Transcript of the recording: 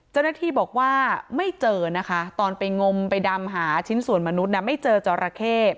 เจ้าหน้าที่บอกว่าไม่เจอนะคะตอนไปงมไปดำหาชิ้นส่วนมนุษย์ไม่เจอจอราเข้